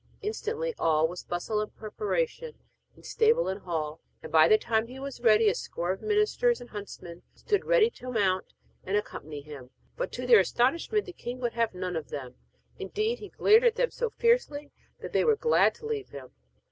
Instantly all was bustle and preparation in stable and hall, and by the time he was ready a score of ministers and huntsmen stood ready to mount and accompany him; but to their astonishment the king would have none of them. Indeed, he glared at them so fiercely that they were glad to leave him.